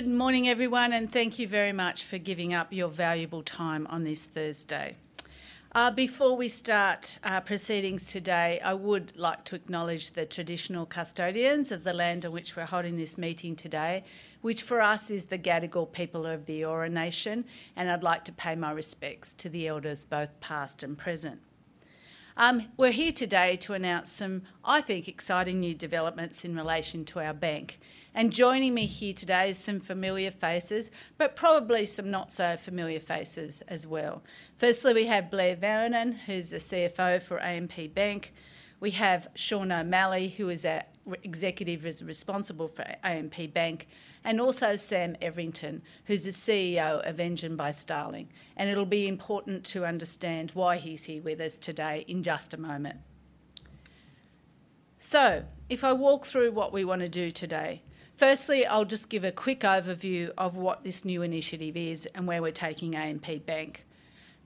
Good morning, everyone, and thank you very much for giving up your valuable time on this Thursday. Before we start, proceedings today, I would like to acknowledge the traditional custodians of the land on which we're holding this meeting today, which for us is the Gadigal people of the Eora Nation, and I'd like to pay my respects to the elders, both past and present. We're here today to announce some, I think, exciting new developments in relation to our bank, and joining me here today is some familiar faces, but probably some not so familiar faces as well. Firstly, we have Blair Vernon, who's the CFO for AMP Bank. We have Sean O'Malley, who is our executive responsible for AMP Bank, and also Sam Everington, who's the CEO of Engine by Starling, and it'll be important to understand why he's here with us today in just a moment. So, if I walk through what we want to do today, firstly, I'll just give a quick overview of what this new initiative is and where we're taking AMP Bank.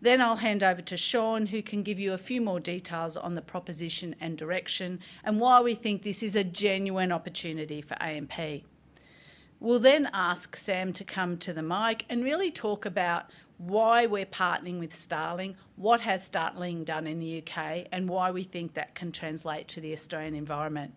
Then, I'll hand over to Sean, who can give you a few more details on the proposition and direction, and why we think this is a genuine opportunity for AMP. We'll then ask Sam to come to the mic and really talk about why we're partnering with Starling, what has Starling done in the UK, and why we think that can translate to the Australian environment.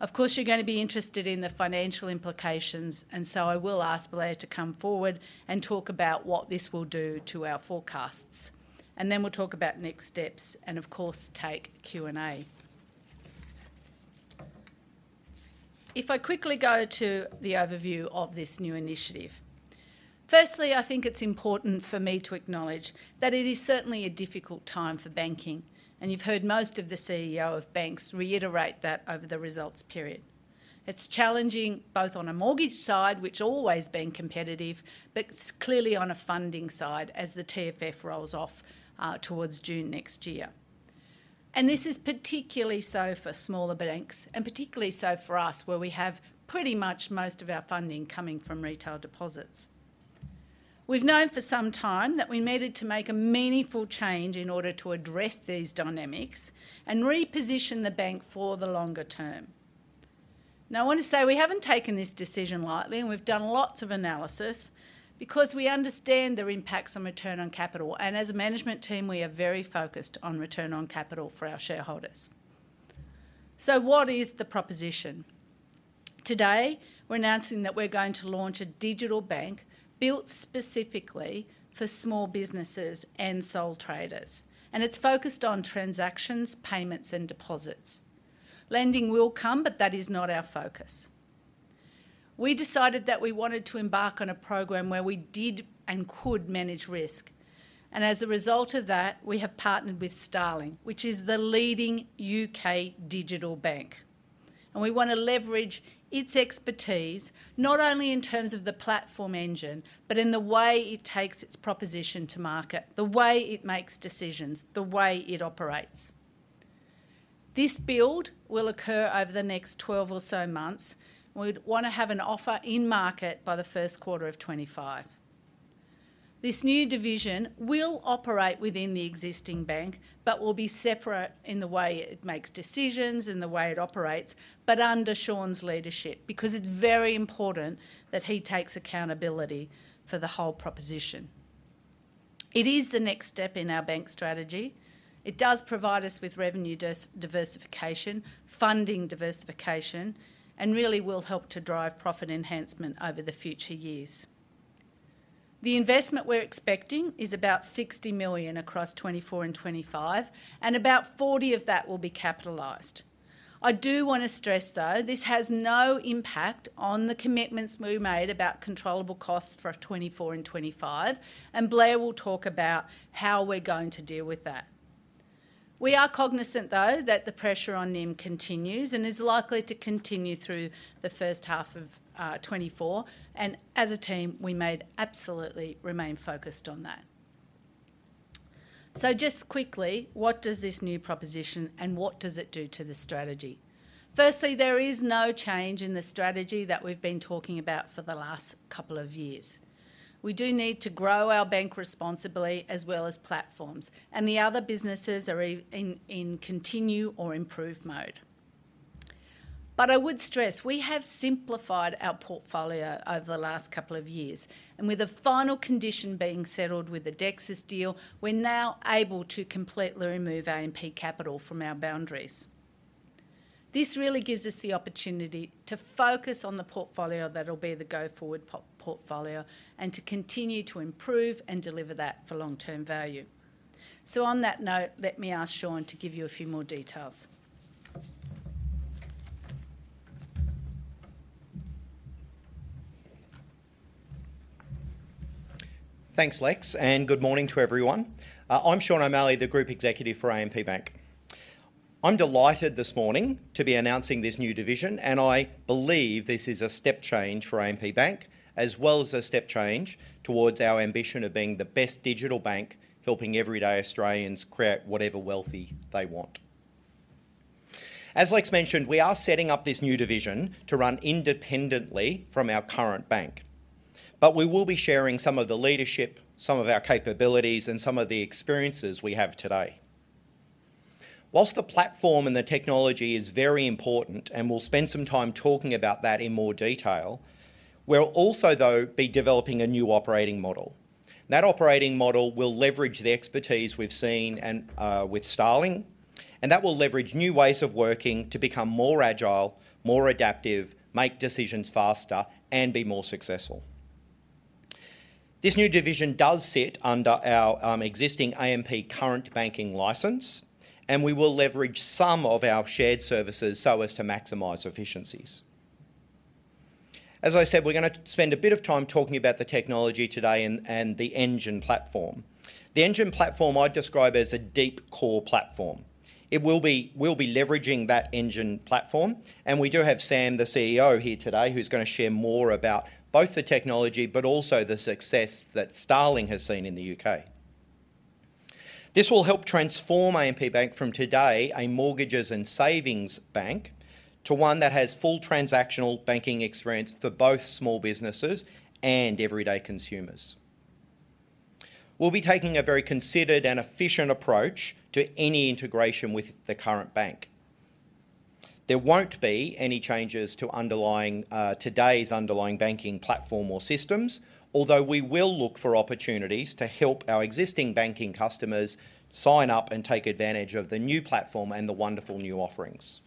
Of course, you're going to be interested in the financial implications, and so I will ask Blair to come forward and talk about what this will do to our forecasts, and then we'll talk about next steps and of course, take Q&A. If I quickly go to the overview of this new initiative. Firstly, I think it's important for me to acknowledge that it is certainly a difficult time for banking, and you've heard most of the CEOs of banks reiterate that over the results period. It's challenging, both on a mortgage side, which always been competitive, but clearly on a funding side as the TFF rolls off, towards June next year. This is particularly so for smaller banks, and particularly so for us, where we have pretty much most of our funding coming from retail deposits. We've known for some time that we needed to make a meaningful change in order to address these dynamics and reposition the bank for the longer term. Now, I want to say we haven't taken this decision lightly, and we've done lots of analysis, because we understand the impacts on return on capital, and as a management team, we are very focused on return on capital for our shareholders. So what is the proposition? Today, we're announcing that we're going to launch a digital bank built specifically for small businesses and sole traders, and it's focused on transactions, payments, and deposits. Lending will come, but that is not our focus. We decided that we wanted to embark on a program where we did and could manage risk, and as a result of that, we have partnered with Starling, which is the leading U.K. digital bank. And we want to leverage its expertise, not only in terms of the platform engine, but in the way it takes its proposition to market, the way it makes decisions, the way it operates. This build will occur over the next 12 or so months. We'd want to have an offer in market by the Q1 of 2025. This new division will operate within the existing bank, but will be separate in the way it makes decisions, in the way it operates, but under Sean's leadership, because it's very important that he takes accountability for the whole proposition. It is the next step in our bank strategy. It does provide us with revenue diversification, funding diversification, and really will help to drive profit enhancement over the future years. The investment we're expecting is about 60 million across 2024 and 2025, and about 40 million of that will be capitalized. I do want to stress, though, this has no impact on the commitments we made about controllable costs for 2024 and 2025, and Blair will talk about how we're going to deal with that. We are cognizant, though, that the pressure on NIM continues and is likely to continue through the first half of 2024, and as a team, we made absolutely remain focused on that. So just quickly, what does this new proposition and what does it do to the strategy? Firstly, there is no change in the strategy that we've been talking about for the last couple of years. We do need to grow our bank responsibly as well as platforms, and the other businesses are in continue or improve mode. But I would stress, we have simplified our portfolio over the last couple of years, and with the final condition being settled with the Dexus deal, we're now able to completely remove AMP Capital from our boundaries. This really gives us the opportunity to focus on the portfolio that will be the go-forward portfolio, and to continue to improve and deliver that for long-term value. So on that note, let me ask Sean to give you a few more details. Thanks, Lex, and good morning to everyone. I'm Sean O'Malley, the Group Executive for AMP Bank. I'm delighted this morning to be announcing this new division, and I believe this is a step change for AMP Bank, as well as a step change towards our ambition of being the best digital bank, helping everyday Australians create whatever wealthy they want. As Lex mentioned, we are setting up this new division to run independently from our current bank, but we will be sharing some of the leadership, some of our capabilities, and some of the experiences we have today.... While the platform and the technology is very important, and we'll spend some time talking about that in more detail, we'll also, though, be developing a new operating model. That operating model will leverage the expertise we've seen and with Starling, and that will leverage new ways of working to become more agile, more adaptive, make decisions faster, and be more successful. This new division does sit under our existing AMP's current banking license, and we will leverage some of our shared services so as to maximize efficiencies. As I said, we're gonna spend a bit of time talking about the technology today and the Engine platform. The Engine platform I'd describe as a deep core platform. We'll be leveraging that Engine platform, and we do have Sam, the CEO, here today, who's gonna share more about both the technology but also the success that Starling has seen in the UK. This will help transform AMP Bank from today, a mortgages and savings bank, to one that has full transactional banking experience for both small businesses and everyday consumers. We'll be taking a very considered and efficient approach to any integration with the current bank. There won't be any changes to underlying, today's underlying banking platform or systems, although we will look for opportunities to help our existing banking customers sign up and take advantage of the new platform and the wonderful new offerings.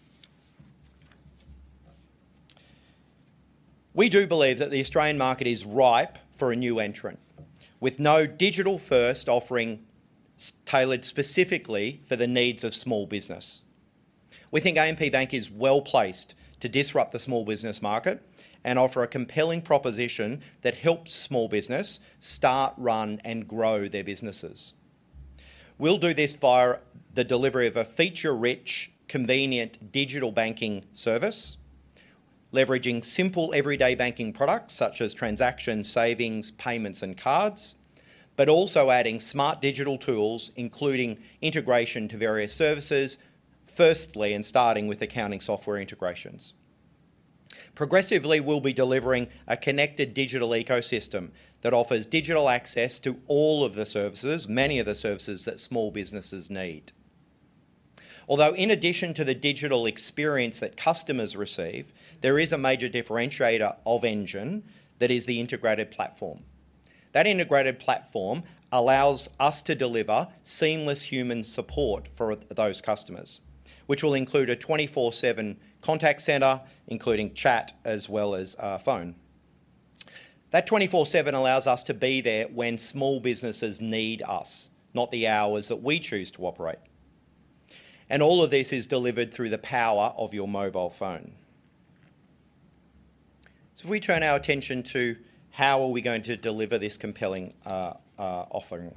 We do believe that the Australian market is ripe for a new entrant, with no digital-first offerings tailored specifically for the needs of small business. We think AMP Bank is well-placed to disrupt the small business market and offer a compelling proposition that helps small business start, run, and grow their businesses. We'll do this via the delivery of a feature-rich, convenient digital banking service, leveraging simple, everyday banking products such as transactions, savings, payments, and cards, but also adding smart digital tools, including integration to various services, firstly, and starting with accounting software integrations. Progressively, we'll be delivering a connected digital ecosystem that offers digital access to all of the services, many of the services that small businesses need. Although, in addition to the digital experience that customers receive, there is a major differentiator of Engine, that is the integrated platform. That integrated platform allows us to deliver seamless human support for those customers, which will include a 24/7 contact center, including chat as well as phone. That 24/7 allows us to be there when small businesses need us, not the hours that we choose to operate, and all of this is delivered through the power of your mobile phone. So if we turn our attention to how are we going to deliver this compelling offering?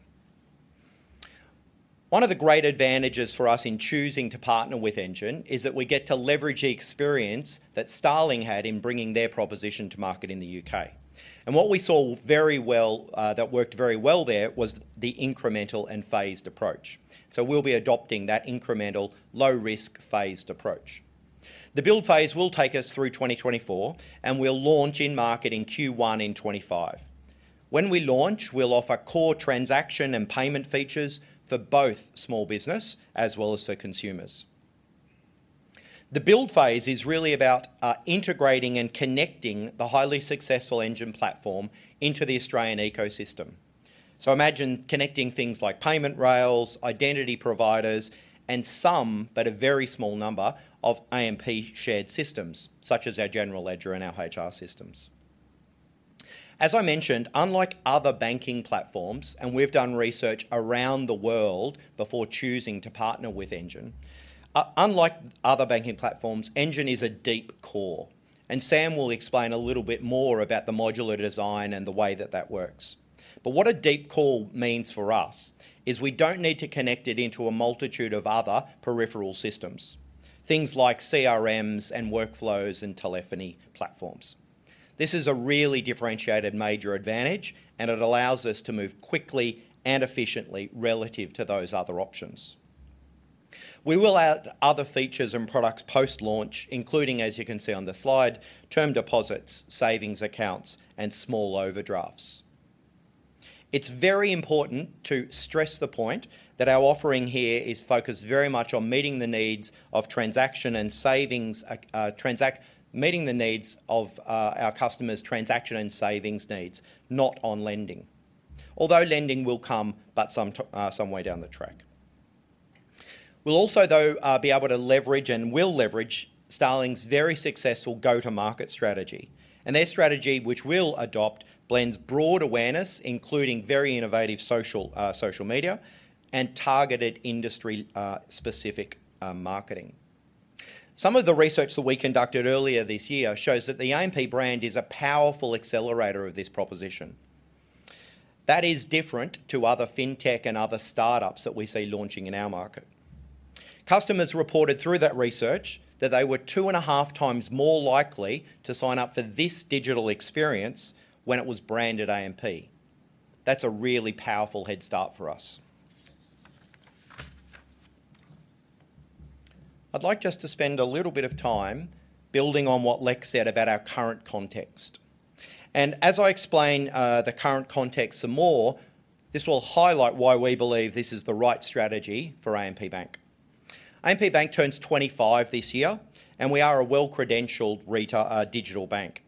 One of the great advantages for us in choosing to partner with Engine is that we get to leverage the experience that Starling had in bringing their proposition to market in the UK. And what we saw very well that worked very well there, was the incremental and phased approach. So we'll be adopting that incremental, low-risk, phased approach. The build phase will take us through 2024, and we'll launch in market in Q1 2025. When we launch, we'll offer core transaction and payment features for both small business as well as for consumers. The build phase is really about integrating and connecting the highly successful Engine platform into the Australian ecosystem. So imagine connecting things like payment rails, identity providers, and some, but a very small number, of AMP shared systems, such as our general ledger and our HR systems. As I mentioned, unlike other banking platforms, and we've done research around the world before choosing to partner with Engine, unlike other banking platforms, Engine is a deep core, and Sam will explain a little bit more about the modular design and the way that that works. But what a deep core means for us is we don't need to connect it into a multitude of other peripheral systems, things like CRMs and workflows and telephony platforms. This is a really differentiated major advantage, and it allows us to move quickly and efficiently relative to those other options. We will add other features and products post-launch, including, as you can see on the slide, term deposits, savings accounts, and small overdrafts. It's very important to stress the point that our offering here is focused very much on meeting the needs of our customers' transaction and savings needs, not on lending. Although lending will come, but some way down the track. We'll also, though, be able to leverage and will leverage Starling's very successful go-to-market strategy, and their strategy, which we'll adopt, blends broad awareness, including very innovative social media and targeted industry specific marketing. Some of the research that we conducted earlier this year shows that the AMP brand is a powerful accelerator of this proposition. That is different to other fintech and other startups that we see launching in our market. Customers reported through that research that they were 2.5 times more likely to sign up for this digital experience when it was branded AMP. That's a really powerful head start for us.... I'd like just to spend a little bit of time building on what Lex said about our current context. As I explain the current context some more, this will highlight why we believe this is the right strategy for AMP Bank. AMP Bank turns 25 this year, and we are a well-credentialed retail digital bank.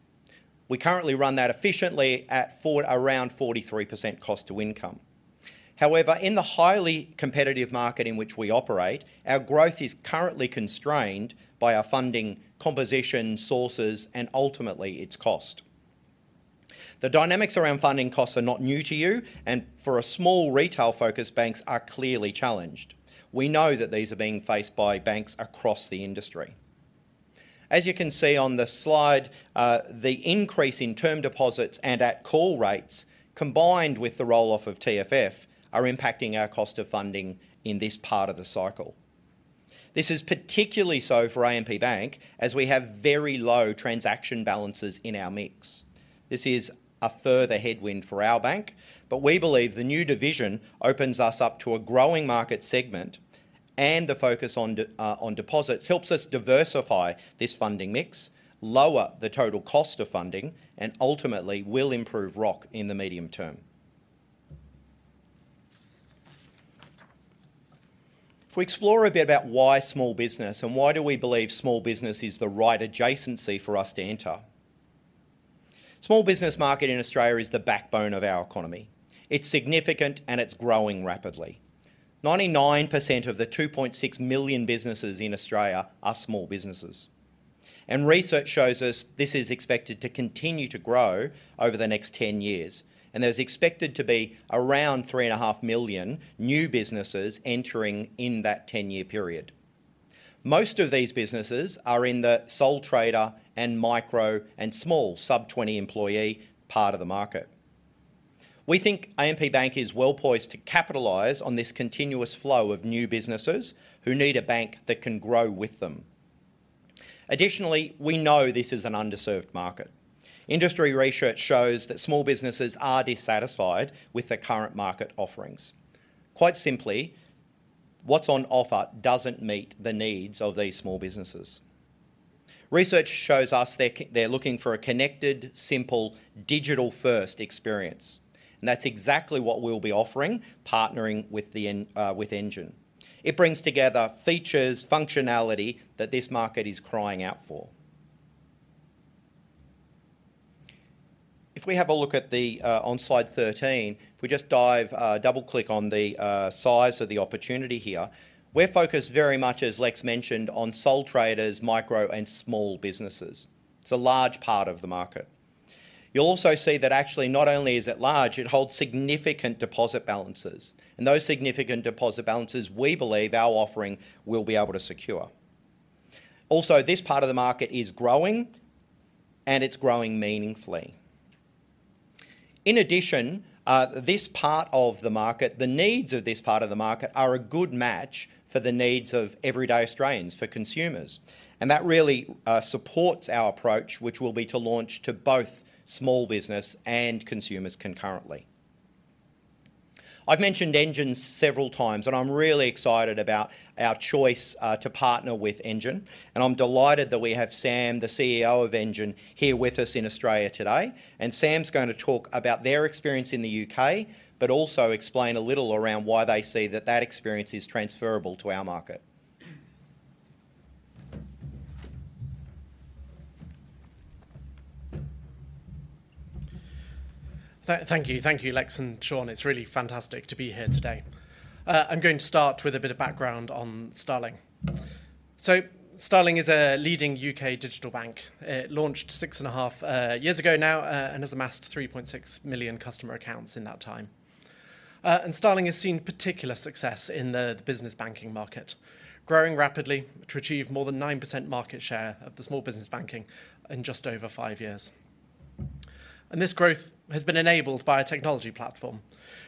We currently run that efficiently at around 43% cost to income. However, in the highly competitive market in which we operate, our growth is currently constrained by our funding composition, sources, and ultimately, its cost. The dynamics around funding costs are not new to you, and for a small retail-focused banks are clearly challenged. We know that these are being faced by banks across the industry. As you can see on the slide, the increase in term deposits and at call rates, combined with the roll-off of TFF, are impacting our cost of funding in this part of the cycle. This is particularly so for AMP Bank, as we have very low transaction balances in our mix. This is a further headwind for our bank, but we believe the new division opens us up to a growing market segment, and the focus on deposits helps us diversify this funding mix, lower the total cost of funding, and ultimately, will improve ROC in the medium term. If we explore a bit about why small business and why do we believe small business is the right adjacency for us to enter. Small business market in Australia is the backbone of our economy. It's significant, and it's growing rapidly. 99% of the 2.6 million businesses in Australia are small businesses, and research shows us this is expected to continue to grow over the next 10 years, and there's expected to be around 3.5 million new businesses entering in that 10-year period. Most of these businesses are in the sole trader and micro and small sub-20 employee part of the market. We think AMP Bank is well-poised to capitalize on this continuous flow of new businesses who need a bank that can grow with them. Additionally, we know this is an underserved market. Industry research shows that small businesses are dissatisfied with the current market offerings. Quite simply, what's on offer doesn't meet the needs of these small businesses. Research shows us they're looking for a connected, simple, digital-first experience, and that's exactly what we'll be offering, partnering with Engine. It brings together features, functionality that this market is crying out for. If we have a look at the one on slide 13, if we just dive double-click on the size of the opportunity here, we're focused very much, as Lex mentioned, on sole traders, micro, and small businesses. It's a large part of the market. You'll also see that actually, not only is it large, it holds significant deposit balances, and those significant deposit balances, we believe our offering will be able to secure. Also, this part of the market is growing, and it's growing meaningfully. In addition, this part of the market, the needs of this part of the market are a good match for the needs of everyday Australians, for consumers, and that really, supports our approach, which will be to launch to both small business and consumers concurrently. I've mentioned Engine several times, and I'm really excited about our choice, to partner with Engine, and I'm delighted that we have Sam, the CEO of Engine, here with us in Australia today. And Sam's going to talk about their experience in the UK, but also explain a little around why they see that that experience is transferable to our market. Thank you. Thank you, Lex and Sean. It's really fantastic to be here today. I'm going to start with a bit of background on Starling. So Starling is a leading U.K. digital bank. It launched 6.5 years ago now, and has amassed 3.6 million customer accounts in that time. And Starling has seen particular success in the business banking market, growing rapidly to achieve more than 9% market share of the small business banking in just over 5 years. And this growth has been enabled by a technology platform,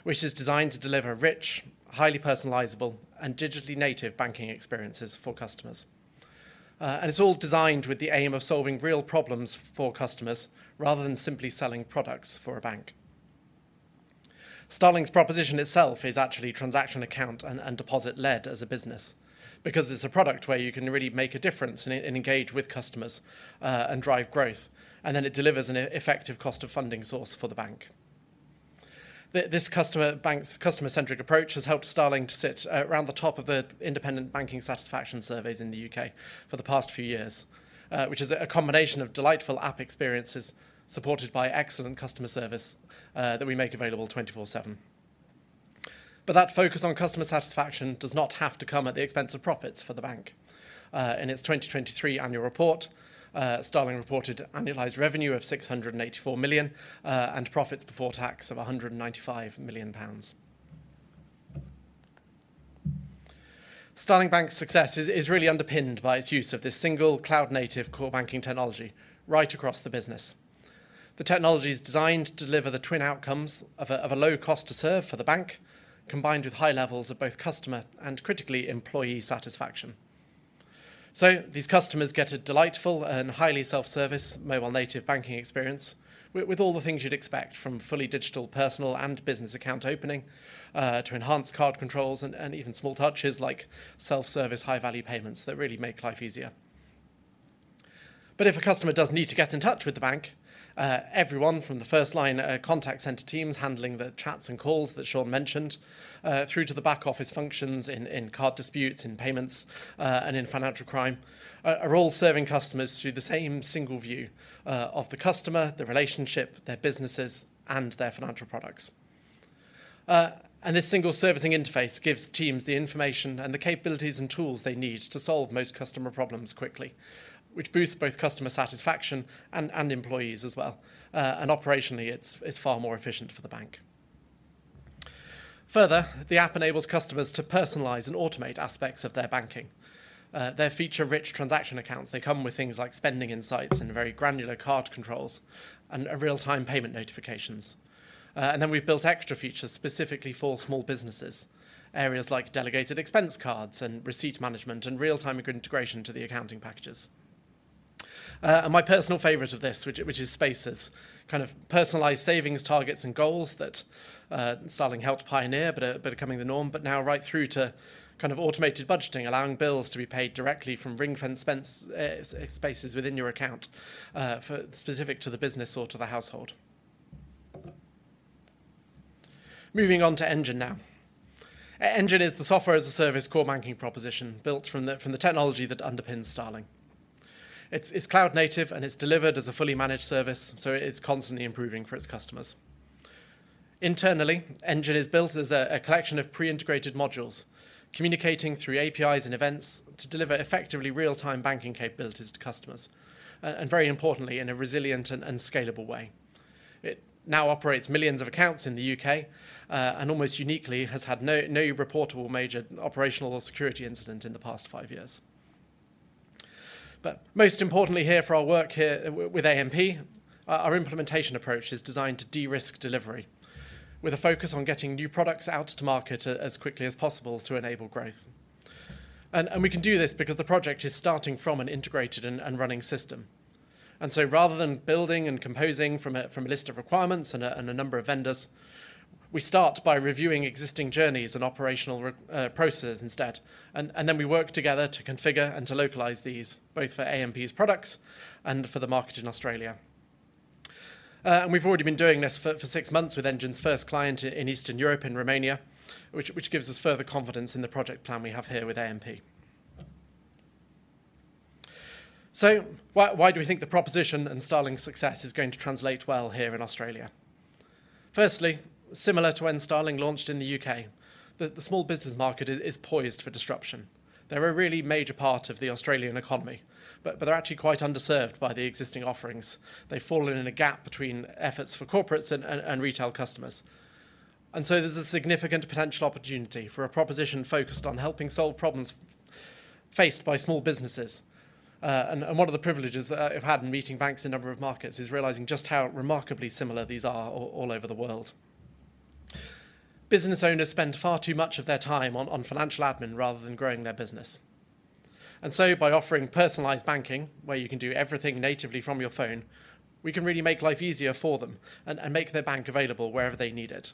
which is designed to deliver rich, highly personalizable, and digitally native banking experiences for customers. And it's all designed with the aim of solving real problems for customers, rather than simply selling products for a bank. Starling's proposition itself is actually transaction account and deposit-led as a business because it's a product where you can really make a difference and engage with customers and drive growth, and then it delivers an effective cost of funding source for the bank. This customer bank's customer-centric approach has helped Starling to sit around the top of the independent banking satisfaction surveys in the UK for the past few years, which is a combination of delightful app experiences, supported by excellent customer service that we make available 24/7. But that focus on customer satisfaction does not have to come at the expense of profits for the bank. In its 2023 annual report, Starling reported annualized revenue of 684 million and profits before tax of 195 million pounds. Starling Bank's success is really underpinned by its use of this single cloud-native core banking technology right across the business. The technology is designed to deliver the twin outcomes of a low cost to serve for the bank, combined with high levels of both customer, and critically, employee satisfaction. So these customers get a delightful and highly self-service, mobile-native banking experience with all the things you'd expect, from fully digital, personal, and business account opening to enhanced card controls and even small touches like self-service high-value payments that really make life easier... If a customer does need to get in touch with the bank, everyone from the first line contact center teams handling the chats and calls that Sean mentioned, through to the back office functions in card disputes, in payments, and in financial crime, are all serving customers through the same single view of the customer, the relationship, their businesses, and their financial products. And this single servicing interface gives teams the information and the capabilities and tools they need to solve most customer problems quickly, which boosts both customer satisfaction and employees as well. And operationally, it's far more efficient for the bank. Further, the app enables customers to personalize and automate aspects of their banking. Their feature-rich transaction accounts, they come with things like spending insights and very granular card controls and real-time payment notifications. Then we've built extra features specifically for small businesses, areas like delegated expense cards and receipt management and real-time integration to the accounting packages. My personal favorite of this, which is Spaces, kind of personalized savings targets and goals that Starling helped pioneer, but are becoming the norm, but now right through to kind of automated budgeting, allowing bills to be paid directly from ring-fenced spends, Spaces within your account, for specific to the business or to the household. Moving on to Engine now. Engine is the software-as-a-service core banking proposition built from the technology that underpins Starling. It's cloud-native, and it's delivered as a fully managed service, so it's constantly improving for its customers. Internally, Engine is built as a collection of pre-integrated modules, communicating through APIs and events to deliver effectively real-time banking capabilities to customers, and very importantly, in a resilient and scalable way. It now operates millions of accounts in the UK, and almost uniquely, has had no reportable major operational or security incident in the past five years. But most importantly here for our work here with AMP, our implementation approach is designed to de-risk delivery, with a focus on getting new products out to market as quickly as possible to enable growth. And we can do this because the project is starting from an integrated and running system. Rather than building and composing from a list of requirements and a number of vendors, we start by reviewing existing journeys and operational processes instead, and then we work together to configure and to localize these, both for AMP's products and for the market in Australia. And we've already been doing this for six months with Engine's first client in Eastern Europe, in Romania, which gives us further confidence in the project plan we have here with AMP. So why do we think the proposition and Starling's success is going to translate well here in Australia? Firstly, similar to when Starling launched in the UK, the small business market is poised for disruption. They're a really major part of the Australian economy, but they're actually quite underserved by the existing offerings. They've fallen in a gap between efforts for corporates and retail customers. And so there's a significant potential opportunity for a proposition focused on helping solve problems faced by small businesses. One of the privileges that I've had in meeting banks in a number of markets is realizing just how remarkably similar these are all over the world. Business owners spend far too much of their time on financial admin rather than growing their business. And so by offering personalized banking, where you can do everything natively from your phone, we can really make life easier for them and make their bank available wherever they need it.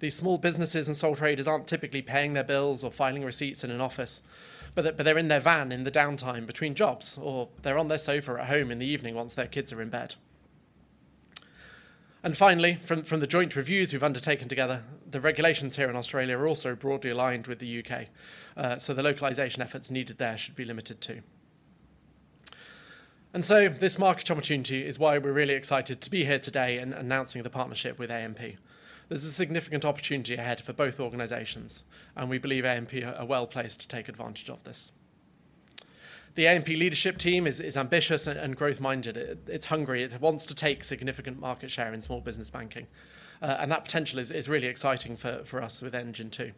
These small businesses and sole traders aren't typically paying their bills or filing receipts in an office, but they're in their van in the downtime between jobs, or they're on their sofa at home in the evening once their kids are in bed. Finally, from the joint reviews we've undertaken together, the regulations here in Australia are also broadly aligned with the UK, so the localization efforts needed there should be limited too. So this market opportunity is why we're really excited to be here today and announcing the partnership with AMP. There's a significant opportunity ahead for both organizations, and we believe AMP are well-placed to take advantage of this. The AMP leadership team is ambitious and growth-minded. It's hungry. It wants to take significant market share in small business banking, and that potential is really exciting for us with Engine too.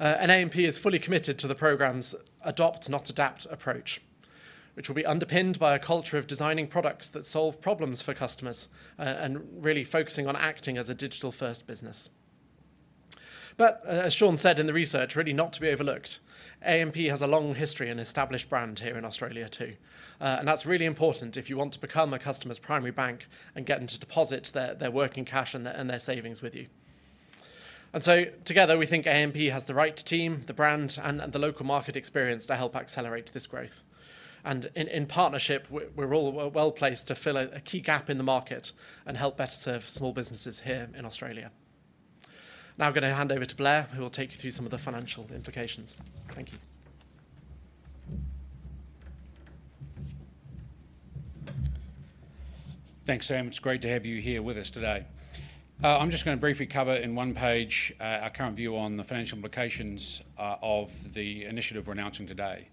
And AMP is fully committed to the program's adopt not adapt approach, which will be underpinned by a culture of designing products that solve problems for customers, and really focusing on acting as a digital-first business. But, as Sean said in the research, really not to be overlooked, AMP has a long history and established brand here in Australia too. And that's really important if you want to become a customer's primary bank and get them to deposit their working cash and their savings with you. And so together, we think AMP has the right team, the brand, and the local market experience to help accelerate this growth. And in partnership, we're all well-placed to fill a key gap in the market and help better serve small businesses here in Australia. Now I'm going to hand over to Blair, who will take you through some of the financial implications. Thank you. Thanks, Sam. It's great to have you here with us today. I'm just going to briefly cover in one page our current view on the financial implications of the initiative we're announcing today.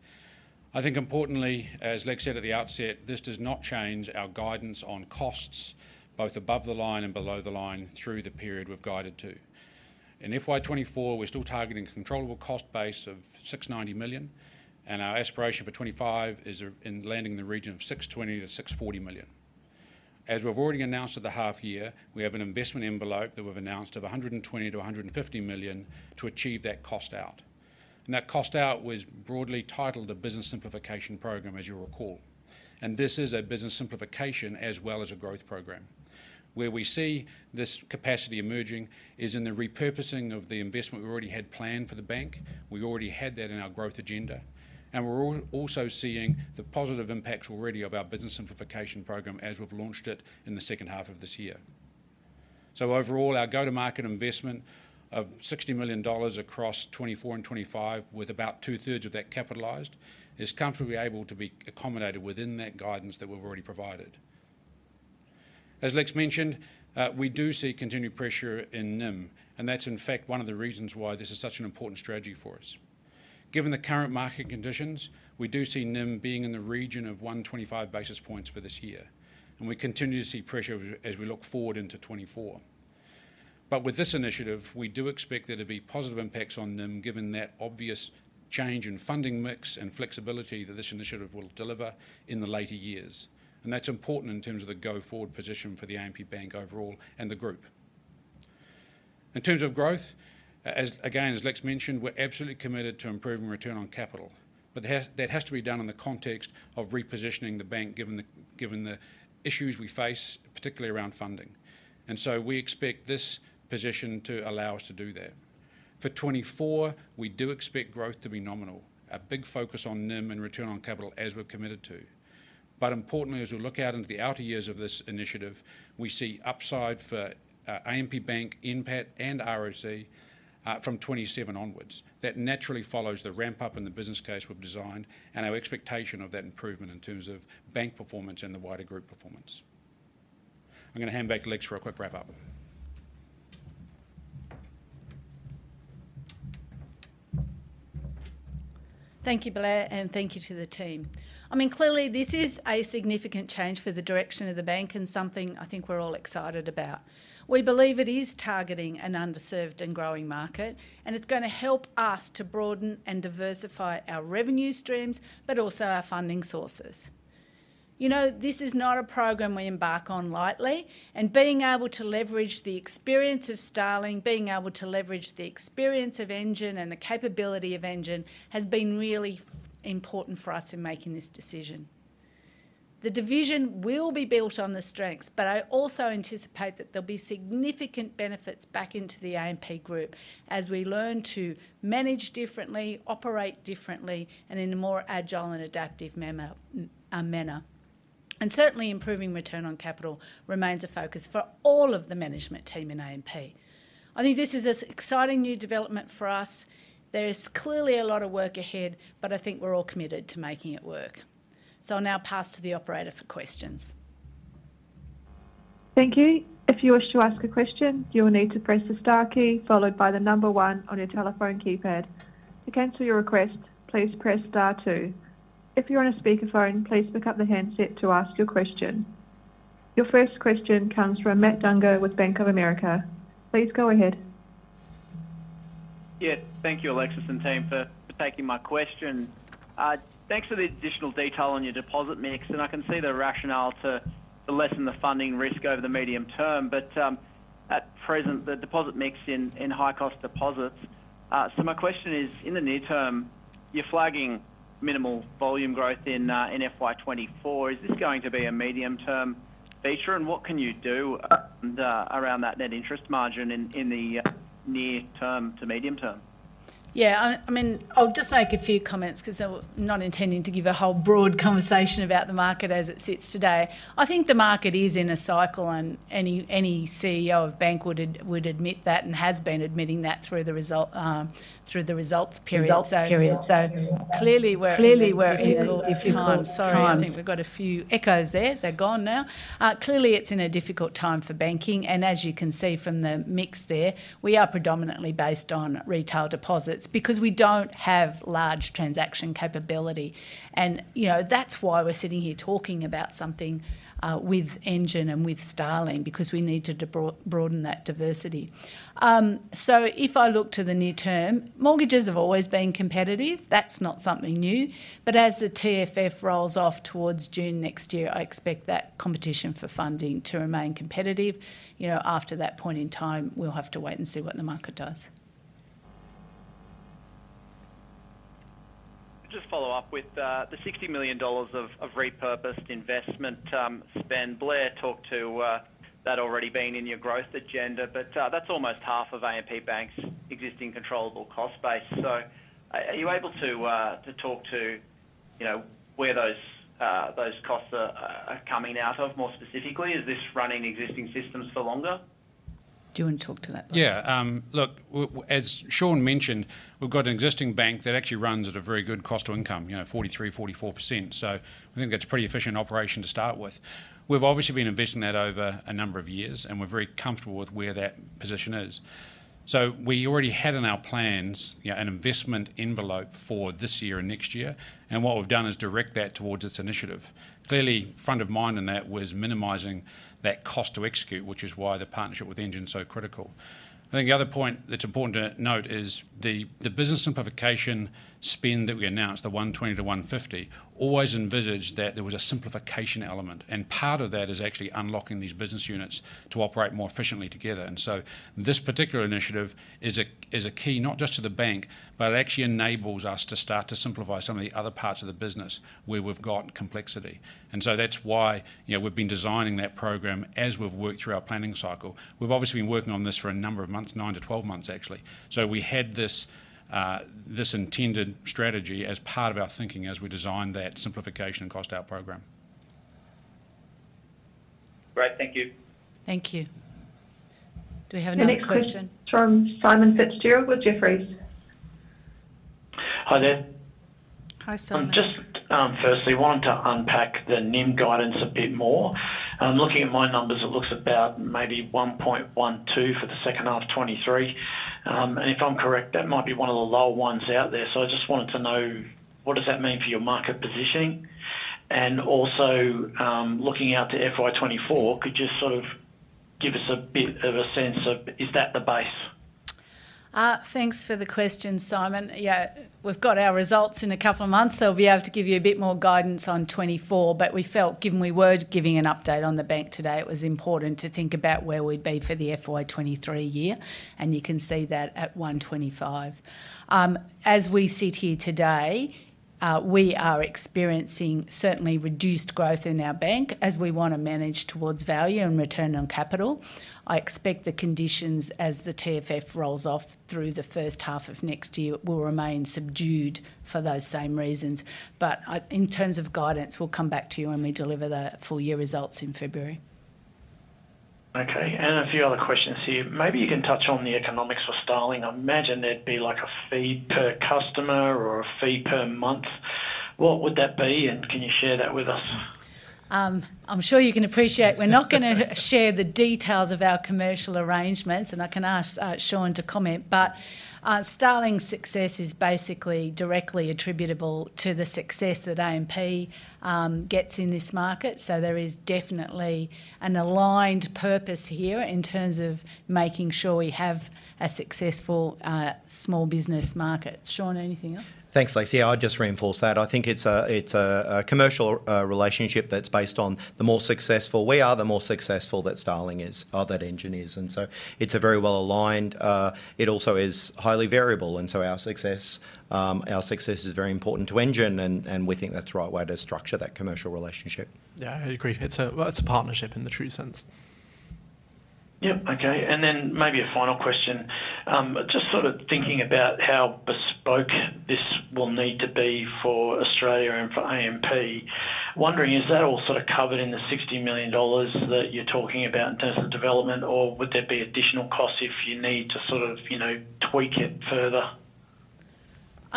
I think importantly, as Lex said at the outset, this does not change our guidance on costs, both above the line and below the line, through the period we've guided to. In FY 2024, we're still targeting a controllable cost base of 690 million, and our aspiration for 25 is landing in the region of 620 million-640 million. As we've already announced at the half year, we have an investment envelope that we've announced of 120 million-150 million to achieve that cost out. And that cost out was broadly titled the Business Simplification Program, as you'll recall. This is a business simplification as well as a growth program. Where we see this capacity emerging is in the repurposing of the investment we already had planned for the bank. We already had that in our growth agenda, and we're also seeing the positive impacts already of our business simplification program as we've launched it in the second half of this year. So overall, our go-to-market investment of 60 million dollars across 2024 and 2025, with about two-thirds of that capitalized, is comfortably able to be accommodated within that guidance that we've already provided. As Lex mentioned, we do see continued pressure in NIM, and that's in fact one of the reasons why this is such an important strategy for us. Given the current market conditions, we do see NIM being in the region of 125 basis points for this year, and we continue to see pressure as we look forward into 2024. But with this initiative, we do expect there to be positive impacts on NIM, given that obvious change in funding mix and flexibility that this initiative will deliver in the later years. And that's important in terms of the go-forward position for the AMP Bank overall and the group. In terms of growth, as, again, as Lex mentioned, we're absolutely committed to improving return on capital, but it has, that has to be done in the context of repositioning the bank, given the, given the issues we face, particularly around funding. And so we expect this position to allow us to do that. For 2024, we do expect growth to be nominal, a big focus on NIM and return on capital, as we're committed to. But importantly, as we look out into the outer years of this initiative, we see upside for AMP Bank, NPAT, and ROC from 2027 onwards. That naturally follows the ramp-up in the business case we've designed and our expectation of that improvement in terms of bank performance and the wider group performance. I'm going to hand back to Lex for a quick wrap-up. Thank you, Blair, and thank you to the team. I mean, clearly, this is a significant change for the direction of the bank and something I think we're all excited about. We believe it is targeting an underserved and growing market, and it's going to help us to broaden and diversify our revenue streams, but also our funding sources. You know, this is not a program we embark on lightly, and being able to leverage the experience of Starling, being able to leverage the experience of Engine and the capability of Engine, has been really important for us in making this decision. The division will be built on the strengths, but I also anticipate that there'll be significant benefits back into the AMP Group as we learn to manage differently, operate differently, and in a more agile and adaptive manner. Certainly, improving return on capital remains a focus for all of the management team in AMP. I think this is an exciting new development for us. There is clearly a lot of work ahead, but I think we're all committed to making it work. I'll now pass to the operator for questions. Thank you. If you wish to ask a question, you will need to press the star key, followed by the number one on your telephone keypad. To cancel your request, please press star two. If you're on a speakerphone, please pick up the handset to ask your question. Your first question comes from Matt Dunger with Bank of America. Please go ahead. Yeah. Thank you, Alexis and team, for taking my question. Thanks for the additional detail on your deposit mix, and I can see the rationale to lessen the funding risk over the medium term. But at present, the deposit mix in high-cost deposits. So my question is: in the near term, you're flagging minimal volume growth in FY 2024. Is this going to be a medium-term feature, and what can you do around that net interest margin in the near term to medium term? Yeah, I mean, I'll just make a few comments 'cause I'm not intending to give a whole broad conversation about the market as it sits today. I think the market is in a cycle, and any CEO of bank would admit that and has been admitting that through the results period. So- Results period. Clearly, we're in a difficult time. Sorry, I think we've got a few echoes there. They're gone now. Clearly, it's in a difficult time for banking, and as you can see from the mix there, we are predominantly based on retail deposits because we don't have large transaction capability. And, you know, that's why we're sitting here talking about something with Engine and with Starling, because we need to broaden that diversity. So if I look to the near term, mortgages have always been competitive. That's not something new. But as the TFF rolls off towards June next year, I expect that competition for funding to remain competitive. You know, after that point in time, we'll have to wait and see what the market does. Just follow up with the $60 million of repurposed investment spend. Blair talked to that already being in your growth agenda, but that's almost half of AMP Bank's existing controllable cost base. So are you able to talk to, you know, where those costs are coming out of more specifically? Is this running existing systems for longer? Do you want to talk to that, Blair? Yeah, look, as Sean mentioned, we've got an existing bank that actually runs at a very good cost to income, you know, 43%-44%. So I think that's a pretty efficient operation to start with. We've obviously been investing that over a number of years, and we're very comfortable with where that position is. So we already had in our plans, you know, an investment envelope for this year and next year, and what we've done is direct that towards this initiative. Clearly, front of mind in that was minimizing that cost to execute, which is why the partnership with Engine is so critical. I think the other point that's important to note is the business simplification spend that we announced, the 120-150, always envisaged that there was a simplification element, and part of that is actually unlocking these business units to operate more efficiently together. And so this particular initiative is a key, not just to the bank, but it actually enables us to start to simplify some of the other parts of the business where we've got complexity. And so that's why, you know, we've been designing that program as we've worked through our planning cycle. We've obviously been working on this for a number of months, 9-12 months, actually. So we had this intended strategy as part of our thinking as we designed that simplification and cost out program. Great, thank you. Thank you. Do we have another question? The next question from Simon Fitzgerald with Jefferies. Hi there. Hi, Simon. Just, firstly, wanted to unpack the NIM guidance a bit more. Looking at my numbers, it looks about maybe 1.12% for the second half of 2023. And if I'm correct, that might be one of the lower ones out there. So I just wanted to know, what does that mean for your market positioning? And also, looking out to FY 2024, could you sort of give us a bit of a sense of is that the base? Thanks for the question, Simon. Yeah, we've got our results in a couple of months, so we'll be able to give you a bit more guidance on 2024, but we felt given we were giving an update on the bank today, it was important to think about where we'd be for the FY 2023 year, and you can see that at 125. As we sit here today, we are experiencing certainly reduced growth in our bank as we want to manage towards value and return on capital. I expect the conditions as the TFF rolls off through the first half of next year will remain subdued for those same reasons. But in terms of guidance, we'll come back to you when we deliver the full year results in February. Okay, and a few other questions here. Maybe you can touch on the economics for Starling. I imagine there'd be like a fee per customer or a fee per month. What would that be, and can you share that with us? I'm sure you can appreciate we're not going to share the details of our commercial arrangements, and I can ask Sean to comment, but Starling's success is basically directly attributable to the success that AMP gets in this market. So there is definitely an aligned purpose here in terms of making sure we have a successful small business market. Sean, anything else? Thanks, Lex. Yeah, I'd just reinforce that. I think it's a commercial relationship that's based on the more successful we are, the more successful that Starling is, or that Engine is. And so it's a very well aligned. It also is highly variable, and so our success, our success is very important to Engine, and we think that's the right way to structure that commercial relationship. Yeah, I agree. It's a, well, it's a partnership in the true sense. Yep, okay. Then maybe a final question. Just sort of thinking about how bespoke this will need to be for Australia and for AMP. Wondering, is that all sort of covered in the 60 million dollars that you're talking about in terms of development, or would there be additional costs if you need to sort of, you know, tweak it further?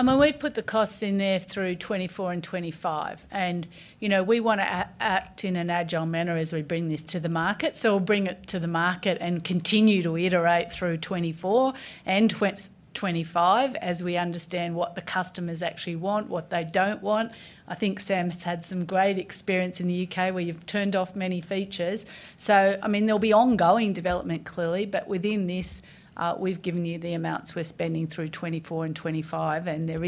I mean, we've put the costs in there through 2024 and 2025, and, you know, we want to act in an agile manner as we bring this to the market. So we'll bring it to the market and continue to iterate through 2024 and 2025 as we understand what the customers actually want, what they don't want. I think Sam has had some great experience in the UK, where you've turned off many features. So I mean, there'll be ongoing development, clearly, but within this, we've given you the amounts we're spending through 2024 and 2025, and there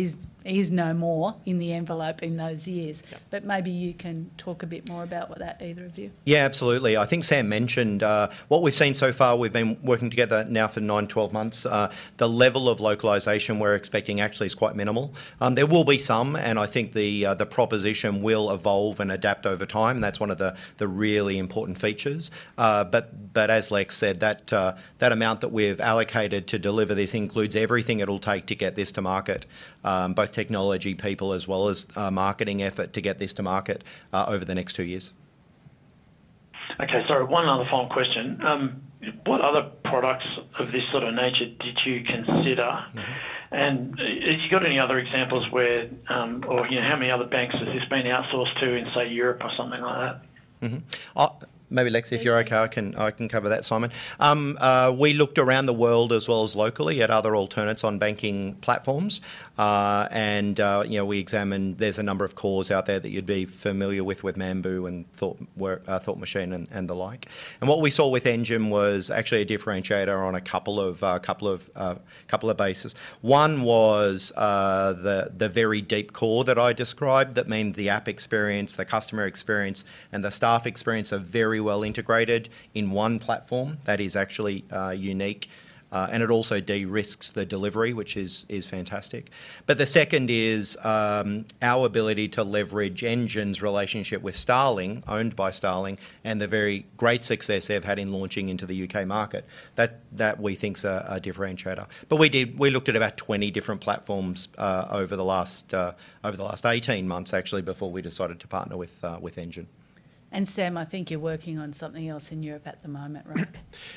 is no more in the envelope in those years. Yeah. Maybe you can talk a bit more about that, either of you. Yeah, absolutely. I think Sam mentioned what we've seen so far, we've been working together now for 9-12 months. The level of localization we're expecting actually is quite minimal. There will be some, and I think the proposition will evolve and adapt over time. That's one of the really important features. But as Lex said, that amount that we've allocated to deliver this includes everything it'll take to get this to market, both technology people as well as marketing effort to get this to market, over the next two years. Okay, sorry, one other final question. What other products of this sort of nature did you consider? Mm. And have you got any other examples where, you know, how many other banks has this been outsourced to in, say, Europe or something like that? Mm-hmm. Maybe, Lexi, if you're okay, I can cover that, Simon. We looked around the world as well as locally at other alternatives on banking platforms. You know, we examined. There's a number of cores out there that you'd be familiar with, with Mambu and Thought Machine and the like. What we saw with Engine was actually a differentiator on a couple of bases. One was the very deep core that I described that meant the app experience, the customer experience, and the staff experience are very well integrated in one platform. That is actually unique, and it also de-risks the delivery, which is fantastic. But the second is our ability to leverage Engine's relationship with Starling, owned by Starling, and the very great success they've had in launching into the UK market. That, that we think is a differentiator. But we looked at about 20 different platforms over the last 18 months, actually, before we decided to partner with Engine. Sam, I think you're working on something else in Europe at the moment, right?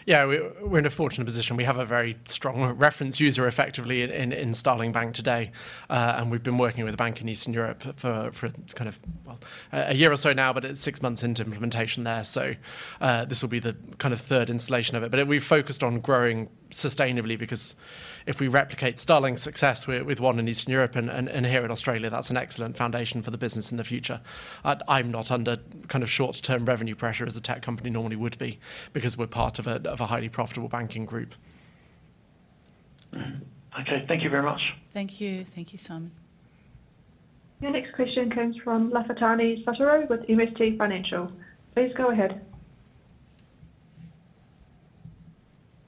Yeah, we're, we're in a fortunate position. We have a very strong reference user effectively in, in Starling Bank today. And we've been working with a bank in Eastern Europe for, for kind of, well, a year or so now, but it's six months into implementation there. So, this will be the kind of third installation of it. But we've focused on growing sustainably because if we replicate Starling's success with, with one in Eastern Europe and, and, and here in Australia, that's an excellent foundation for the business in the future. I'm not under kind of short-term revenue pressure as a tech company normally would be, because we're part of a, of a highly profitable banking group. Okay. Thank you very much. Thank you. Thank you, Simon. Your next question comes from Lafitani Sotiriou with MST Financial. Please go ahead.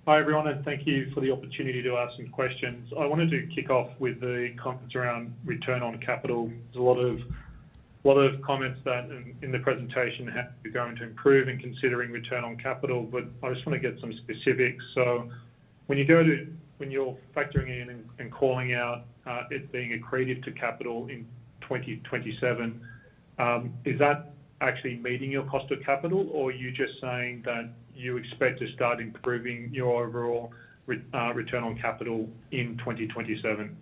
Hi, everyone, and thank you for the opportunity to ask some questions. I wanted to kick off with the conference around return on capital. There's a lot of comments that in the presentation were going to improve in considering return on capital, but I just want to get some specifics. So when you go to, when you're factoring in and calling out, it being accretive to capital in 2027, is that actually meeting your cost of capital? Or are you just saying that you expect to start improving your overall return on capital in 2027?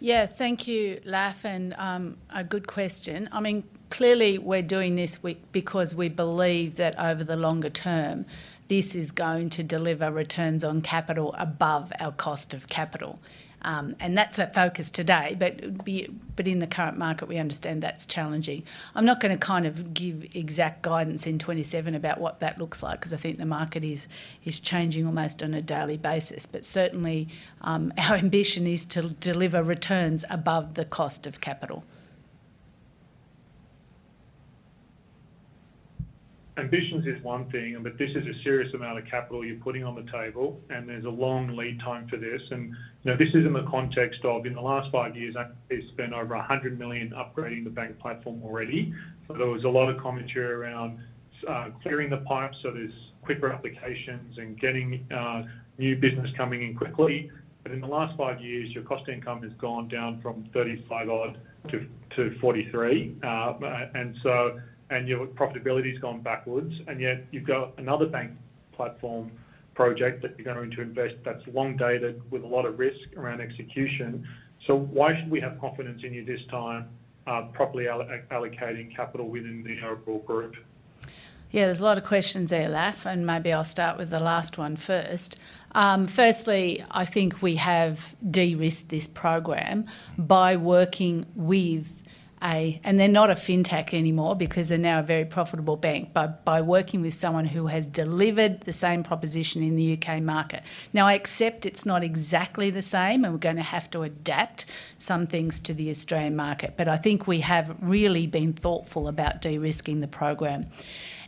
Yeah, thank you, Laf, and a good question. I mean, clearly we're doing this, because we believe that over the longer term, this is going to deliver returns on capital above our cost of capital. And that's our focus today, but it would be, but in the current market, we understand that's challenging. I'm not going to kind of give exact guidance in 2027 about what that looks like, because I think the market is changing almost on a daily basis. But certainly, our ambition is to deliver returns above the cost of capital. Ambitions is one thing, but this is a serious amount of capital you're putting on the table, and there's a long lead time to this. And, you know, this is in the context of, in the last five years, actually spent over 100 million upgrading the bank platform already. So there was a lot of commentary around, clearing the pipes so there's quicker applications and getting, new business coming in quickly. But in the last five years, your cost income has gone down from 35 odd to, to 43. And so—and your profitability's gone backwards, and yet you've got another bank platform project that you're going to invest that's long dated with a lot of risk around execution. So why should we have confidence in you this time, properly allocating capital within the overall group? Yeah, there's a lot of questions there, Laf, and maybe I'll start with the last one first. Firstly, I think we have de-risked this program by working with a... And they're not a fintech anymore, because they're now a very profitable bank, by working with someone who has delivered the same proposition in the UK market. Now, I accept it's not exactly the same, and we're going to have to adapt some things to the Australian market, but I think we have really been thoughtful about de-risking the program.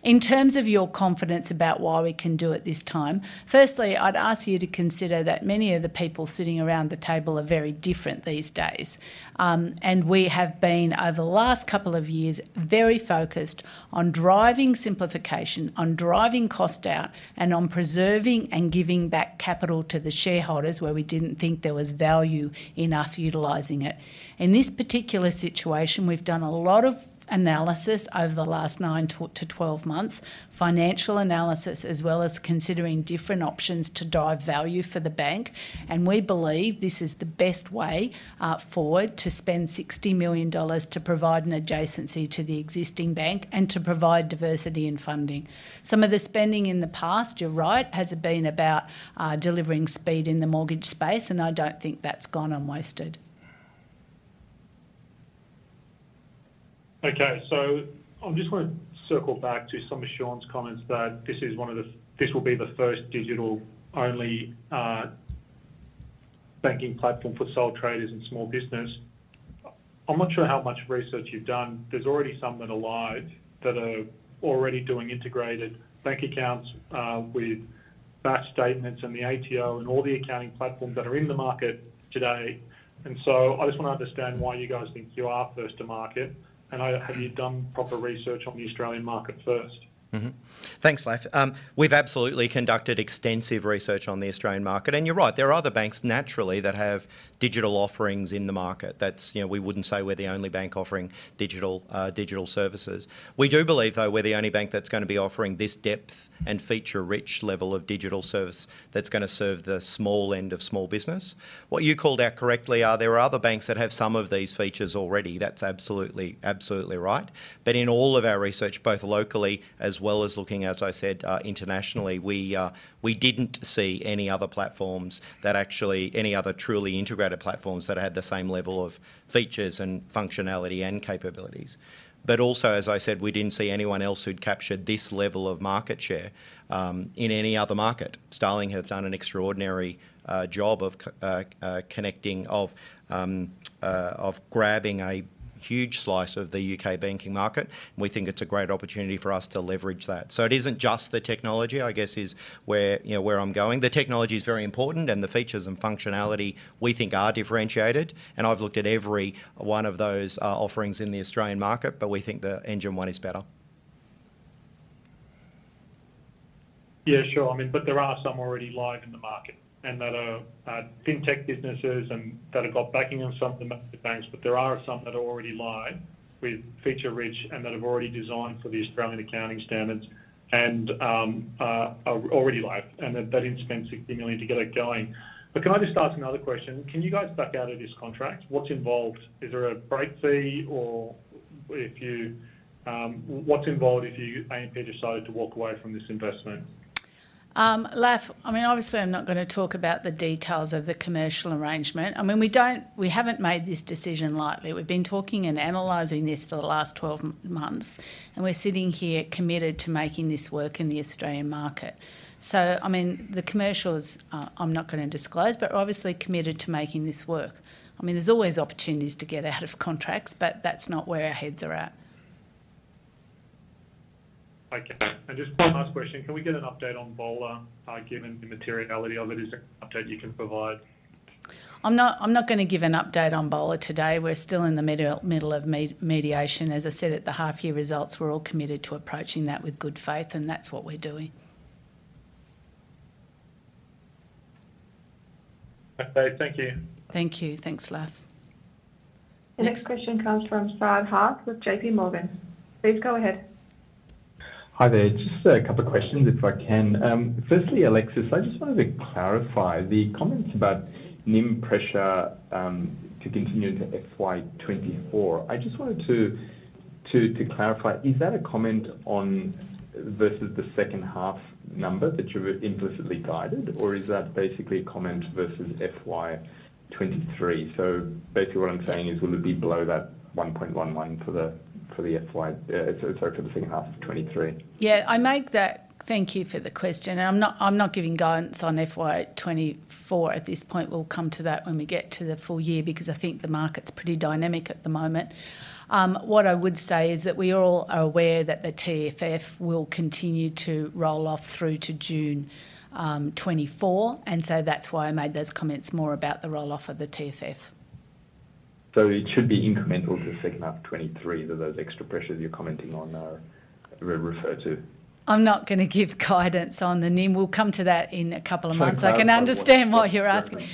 In terms of your confidence about why we can do it this time, firstly, I'd ask you to consider that many of the people sitting around the table are very different these days. And we have been, over the last couple of years, very focused on driving simplification, on driving cost out, and on preserving and giving back capital to the shareholders where we didn't think there was value in us utilizing it. In this particular situation, we've done a lot of analysis over the last 9-12 months, financial analysis, as well as considering different options to drive value for the bank, and we believe this is the best way forward to spend 60 million dollars to provide an adjacency to the existing bank and to provide diversity in funding. Some of the spending in the past, you're right, has been about delivering speed in the mortgage space, and I don't think that's gone unwasted. Okay, so I just want to circle back to some of Sean's comments that this is one of the-- this will be the first digital-only banking platform for sole traders and small business. I'm not sure how much research you've done. There's already some that are live, that are already doing integrated bank accounts with batch statements and the ATO and all the accounting platforms that are in the market today. And so I just want to understand why you guys think you are first to market, and have you done proper research on the Australian market first? Mm-hmm. Thanks, Laf. We've absolutely conducted extensive research on the Australian market, and you're right, there are other banks, naturally, that have digital offerings in the market. That's, you know, we wouldn't say we're the only bank offering digital, digital services. We do believe, though, we're the only bank that's going to be offering this depth and feature-rich level of digital service that's going to serve the small end of small business. What you called out correctly are there are other banks that have some of these features already. That's absolutely, absolutely right. But in all of our research, both locally as well as looking, as I said, internationally, we, we didn't see any other platforms that actually, any other truly integrated platforms that had the same level of features and functionality and capabilities. But also, as I said, we didn't see anyone else who'd captured this level of market share in any other market. Starling have done an extraordinary job of connecting of grabbing a huge slice of the UK banking market, and we think it's a great opportunity for us to leverage that. So it isn't just the technology, I guess, is where, you know, where I'm going. The technology is very important, and the features and functionality we think are differentiated, and I've looked at every one of those offerings in the Australian market, but we think the Engine one is better. Yeah, sure. I mean, but there are some already live in the market, and that are, fintech businesses and that have got backing of some of the major banks, but there are some that are already live with feature-rich and that have already designed for the Australian accounting standards and, are already live, and they didn't spend 60 million to get it going. But can I just ask another question? Can you guys back out of this contract? What's involved? Is there a break fee, or if you, what's involved if you, AMP, decided to walk away from this investment? Laf, I mean, obviously, I'm not going to talk about the details of the commercial arrangement. I mean, we haven't made this decision lightly. We've been talking and analyzing this for the last 12 months, and we're sitting here committed to making this work in the Australian market. So, I mean, the commercials, I'm not going to disclose, but we're obviously committed to making this work. I mean, there's always opportunities to get out of contracts, but that's not where our heads are at. Okay. And just one last question: Can we get an update on BOLR, given the materiality of it? Is there an update you can provide?... I'm not gonna give an update on BOLR today. We're still in the middle of mediation. As I said, at the half year results, we're all committed to approaching that with good faith, and that's what we're doing. Okay, thank you. Thank you. Thanks, Laf. The next question comes from Sarab Hark with JP Morgan. Please go ahead. Hi there. Just a couple of questions, if I can. Firstly, Alexis, I just wanted to clarify the comments about NIM pressure to continue into FY 2024. I just wanted to clarify, is that a comment on versus the second half number that you've implicitly guided? Or is that basically a comment versus FY 2023? So basically, what I'm saying is, will it be below that 1.11 for the, for the FY, sorry, for the second half of 2023? Yeah, I make that... Thank you for the question. I'm not, I'm not giving guidance on FY 2024 at this point. We'll come to that when we get to the full year, because I think the market's pretty dynamic at the moment. What I would say is that we all are aware that the TFF will continue to roll off through to June 2024, and so that's why I made those comments more about the roll-off of the TFF. So it should be incremental to second half 2023, that those extra pressures you're commenting on are referred to? I'm not going to give guidance on the NIM. We'll come to that in a couple of months. Okay. I can understand why you're asking. Yeah,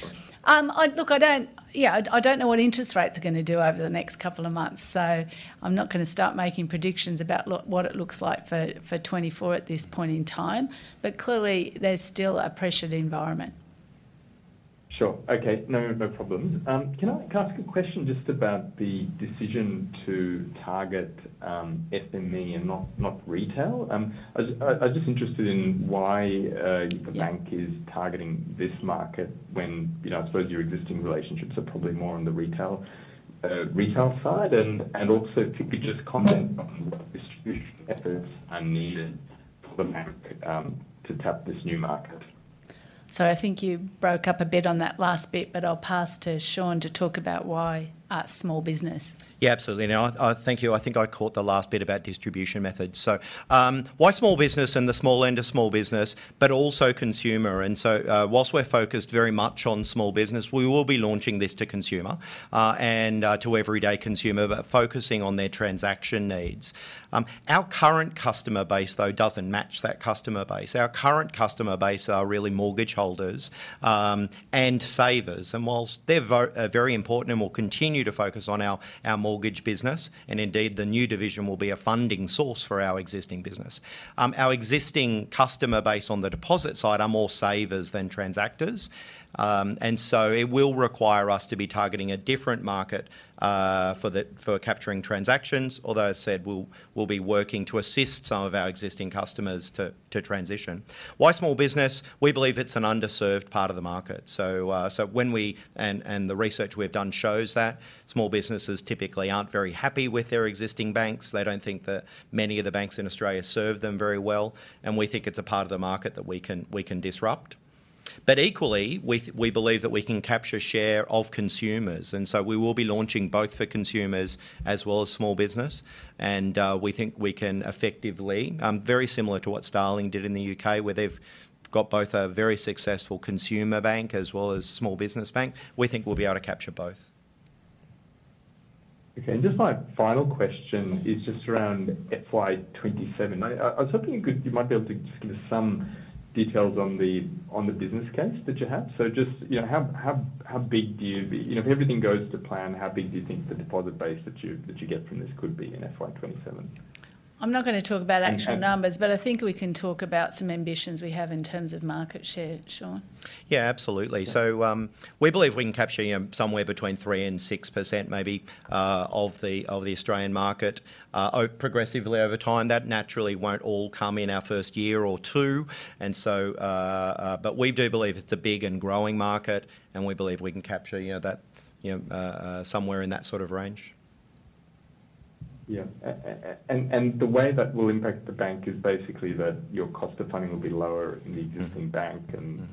no problem. Look, I don't, yeah, I don't know what interest rates are going to do over the next couple of months, so I'm not going to start making predictions about what it looks like for 2024 at this point in time. But clearly, there's still a pressured environment. Sure. Okay, no, no problems. Can I ask a question just about the decision to target SME and not retail? I'm just interested in why- Yeah... the bank is targeting this market when, you know, I suppose your existing relationships are probably more on the retail side. And also, could you just comment on what distribution efforts are needed for the bank to tap this new market? Sorry, I think you broke up a bit on that last bit, but I'll pass to Sean to talk about why small business. Yeah, absolutely. Thank you. I think I caught the last bit about distribution methods. So, why small business and the small end of small business, but also consumer? And so, while we're focused very much on small business, we will be launching this to consumer, and, to everyday consumer, but focusing on their transaction needs. Our current customer base, though, doesn't match that customer base. Our current customer base are really mortgage holders, and savers. And while they're very important and we'll continue to focus on our mortgage business, and indeed, the new division will be a funding source for our existing business. Our existing customer base on the deposit side are more savers than transactors, and so it will require us to be targeting a different market, for capturing transactions. Although, I said we'll be working to assist some of our existing customers to transition. Why small business? We believe it's an underserved part of the market. So, the research we've done shows that small businesses typically aren't very happy with their existing banks. They don't think that many of the banks in Australia serve them very well, and we think it's a part of the market that we can disrupt. But equally, we believe that we can capture share of consumers, and so we will be launching both for consumers as well as small business. And, we think we can effectively, very similar to what Starling did in the U.K., where they've got both a very successful consumer bank as well as small business bank. We think we'll be able to capture both. Okay, and just my final question is just around FY 2027. I was hoping you could, you might be able to just give us some details on the business case that you have. So just, you know, how big do you... You know, if everything goes to plan, how big do you think the deposit base that you get from this could be in FY 2027? I'm not going to talk about actual numbers- Okay. But I think we can talk about some ambitions we have in terms of market share. Sean? Yeah, absolutely. So, we believe we can capture, you know, somewhere between 3%-6%, maybe, of the Australian market, progressively over time. That naturally won't all come in our first year or two, and so. But we do believe it's a big and growing market, and we believe we can capture, you know, that, you know, somewhere in that sort of range. Yeah. And the way that will impact the bank is basically that your cost of funding will be lower in the existing bank, and-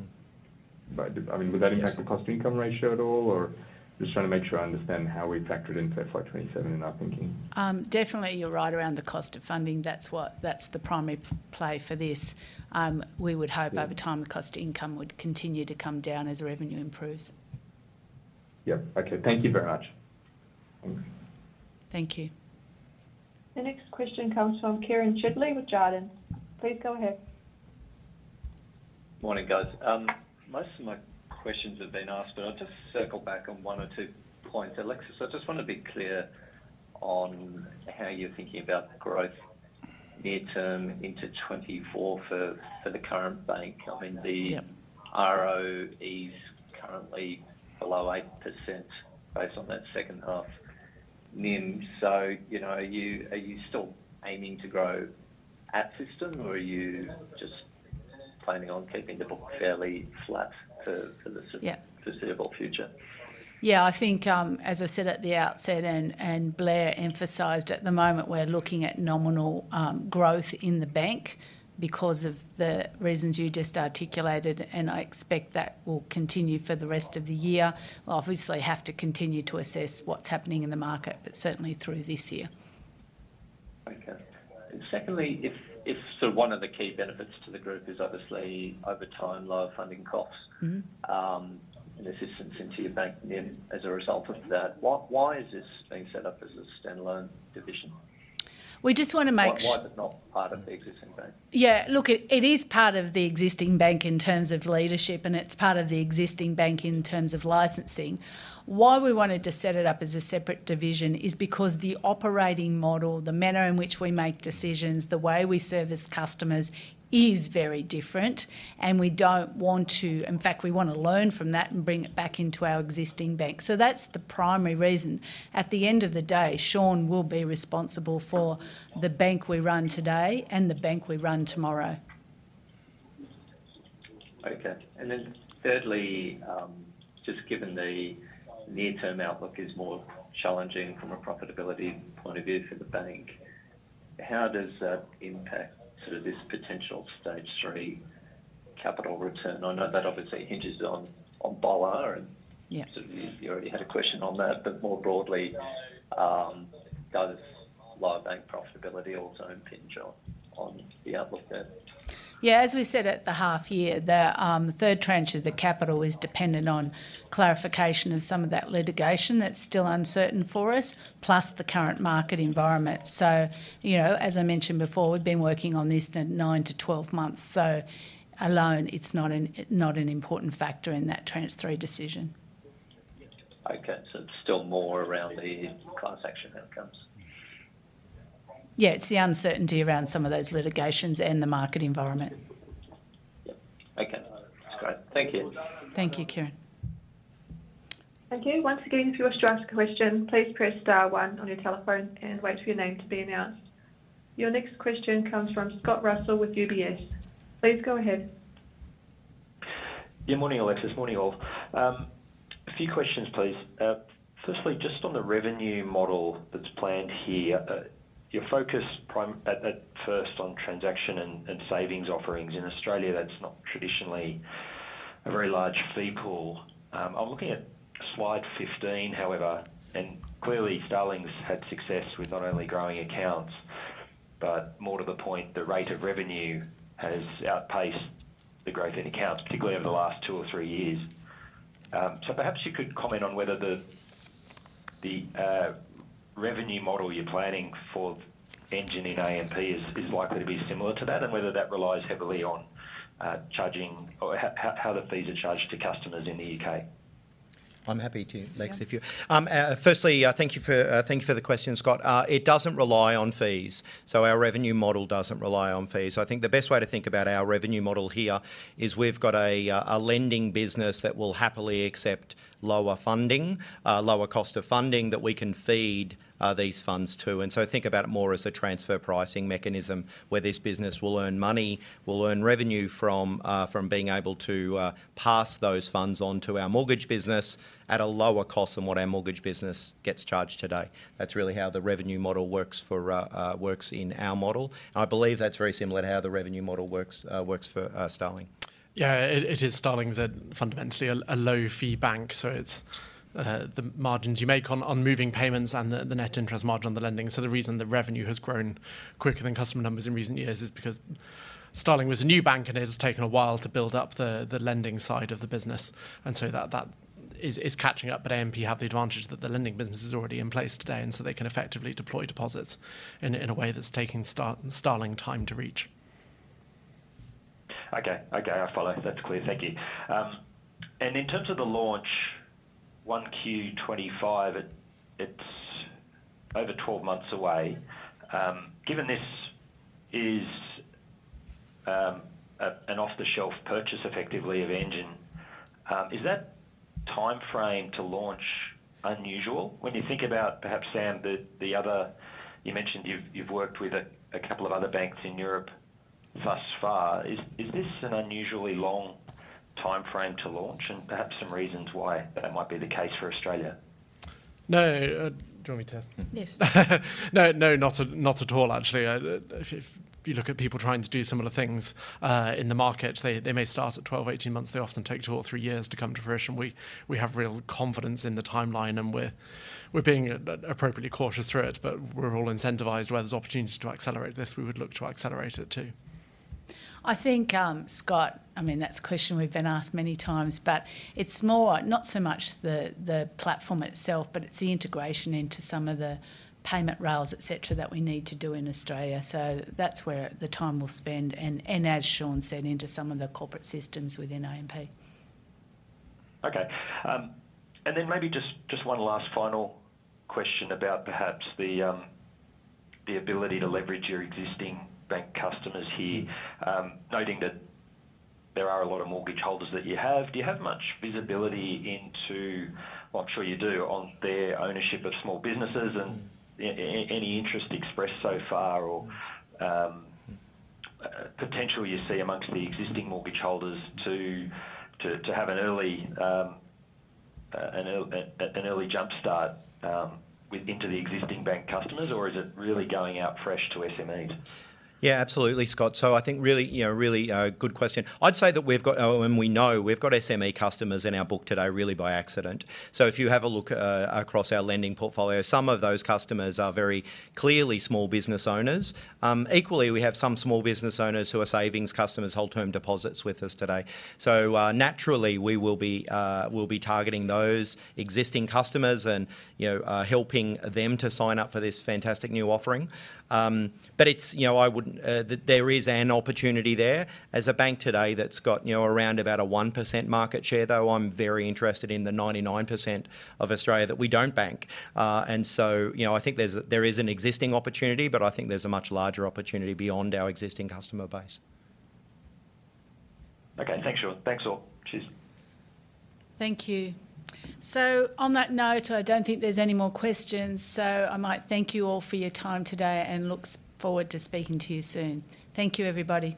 But, I mean, would that impact- Yes... the cost-to-income ratio at all, or? Just trying to make sure I understand how we factor it into FY 2027 in our thinking. Definitely you're right around the cost of funding. That's what, that's the primary play for this. We would hope- Yeah... over time, the cost to income would continue to come down as the revenue improves. Yep. Okay, thank you very much. Thanks. Thank you. The next question comes from Kieren Chidgey with Jarden. Please go ahead. Morning, guys. Most of my questions have been asked, but I'll just circle back on one or two points. Alexis, I just want to be clear on how you're thinking about the growth near term into 2024 for the current bank. Yeah. I mean, the ROE is currently below 8% based on that second half NIM. So, you know, are you, are you still aiming to grow at system, or are you just planning on keeping the book fairly flat for, for the- Yeah... foreseeable future? Yeah, I think, as I said at the outset, and Blair emphasized, at the moment, we're looking at nominal growth in the bank because of the reasons you just articulated, and I expect that will continue for the rest of the year. We'll obviously have to continue to assess what's happening in the market, but certainly through this year.... Okay. And secondly, if so, one of the key benefits to the group is obviously over time, lower funding costs- And assistance into your bank NIM as a result of that, why, why is this being set up as a standalone division? We just want to make- Why, why is it not part of the existing bank? Yeah, look, it, it is part of the existing bank in terms of leadership, and it's part of the existing bank in terms of licensing. Why we wanted to set it up as a separate division is because the operating model, the manner in which we make decisions, the way we service customers is very different, and we don't want to. In fact, we want to learn from that and bring it back into our existing bank. So that's the primary reason. At the end of the day, Sean will be responsible for the bank we run today and the bank we run tomorrow. Okay. And then thirdly, just given the near-term outlook is more challenging from a profitability point of view for the bank, how does that impact sort of this potential stage three capital return? I know that obviously hinges on, on BOLR and- Yeah. So you already had a question on that, but more broadly, does lower bank profitability also impinge on the outlook then? Yeah, as we said at the half year, the third tranche of the capital is dependent on clarification of some of that litigation that's still uncertain for us, plus the current market environment. So, you know, as I mentioned before, we've been working on this 9-12 months, so alone it's not an important factor in that tranche three decision. Okay, so it's still more around the transaction outcomes? Yeah, it's the uncertainty around some of those litigations and the market environment. Yep. Okay, great. Thank you. Thank you, Kieran. Thank you. Once again, if you wish to ask a question, please press star one on your telephone and wait for your name to be announced. Your next question comes from Scott Russell with UBS. Please go ahead. Yeah, morning, Alexis. Morning, all. A few questions, please. Firstly, just on the revenue model that's planned here, you're focused primarily at first on transaction and savings offerings. In Australia, that's not traditionally a very large fee pool. I'm looking at slide 15, however, and clearly, Starling's had success with not only growing accounts, but more to the point, the rate of revenue has outpaced the growth in accounts, particularly over the last two or three years. So perhaps you could comment on whether the revenue model you're planning for Engine in AMP is likely to be similar to that, and whether that relies heavily on charging or how the fees are charged to customers in the UK? I'm happy to, next, if you... Firstly, thank you for the question, Scott. It doesn't rely on fees, so our revenue model doesn't rely on fees. So I think the best way to think about our revenue model here is we've got a lending business that will happily accept lower funding, lower cost of funding that we can feed these funds to. And so think about it more as a transfer pricing mechanism, where this business will earn money, will earn revenue from being able to pass those funds on to our mortgage business at a lower cost than what our mortgage business gets charged today. That's really how the revenue model works in our model. I believe that's very similar to how the revenue model works for Starling. Yeah, it is. Starling's fundamentally a low-fee bank, so it's the margins you make on moving payments and the net interest margin on the lending. So the reason the revenue has grown quicker than customer numbers in recent years is because Starling was a new bank, and it has taken a while to build up the lending side of the business, and so that is catching up. But AMP have the advantage that the lending business is already in place today, and so they can effectively deploy deposits in a way that's taking Starling time to reach. Okay. Okay, I follow. That's clear. Thank you. And in terms of the launch, 1Q 2025, it's over 12 months away. Given this is an off-the-shelf purchase, effectively, of Engine, is that timeframe to launch unusual? When you think about perhaps, Sam, the other— You mentioned you've worked with a couple of other banks in Europe thus far. Is this an unusually long timeframe to launch, and perhaps some reasons why that might be the case for Australia? No, do you want me to...? Yes. No, no, not at all, actually. If you look at people trying to do similar things in the market, they may start at 12, 18 months. They often take 2 or 3 years to come to fruition. We have real confidence in the timeline, and we're being appropriately cautious through it, but we're all incentivized where there's opportunities to accelerate this, we would look to accelerate it, too. I think, Scott, I mean, that's a question we've been asked many times, but it's more not so much the platform itself, but it's the integration into some of the payment rails, et cetera, that we need to do in Australia. So that's where the time we'll spend, and as Sean said, into some of the corporate systems within AMP. Okay. And then maybe just one last final question about perhaps the ability to leverage your existing bank customers here. Noting that there are a lot of mortgage holders that you have, do you have much visibility into, well I'm sure you do, on their ownership of small businesses and any interest expressed so far or potential you see amongst the existing mortgage holders to have an early jump start with into the existing bank customers, or is it really going out fresh to SMEs? Yeah, absolutely, Scott. So I think really, you know, really, a good question. I'd say that we've got and we know we've got SME customers in our book today, really by accident. So if you have a look across our lending portfolio, some of those customers are very clearly small business owners. Equally, we have some small business owners who are savings customers, hold term deposits with us today. So naturally, we will be we'll be targeting those existing customers and, you know, helping them to sign up for this fantastic new offering. But it's, you know, I wouldn't... There is an opportunity there. As a bank today that's got, you know, around about a 1% market share, though I'm very interested in the 99% of Australia that we don't bank. And so, you know, I think there is an existing opportunity, but I think there's a much larger opportunity beyond our existing customer base. Okay. Thanks, Sean. Thanks, all. Cheers. Thank you. So on that note, I don't think there's any more questions, so I might thank you all for your time today and look forward to speaking to you soon. Thank you, everybody.